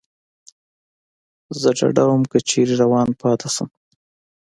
زه ډاډه ووم، که چېرې روان پاتې شم.